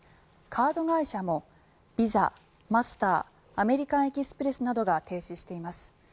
カード会社もＶｉｓａ、マスターアメリカン・エキスプレスなども停止しています。